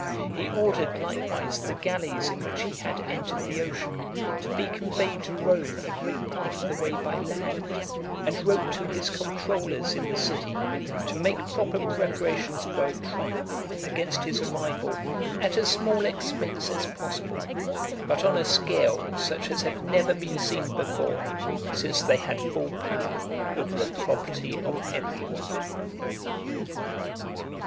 He ordered likewise the gallies in which he had entered the ocean, to be conveyed to Rome a great part of the way by land, and wrote to his comptrollers in the city, "to make proper preparations for a triumph against (284) his arrival, at as small expense as possible; but on a scale such as had never been seen before, since they had full power over the property of every one."